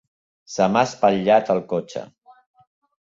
Se m'ha espatllat el cotxe.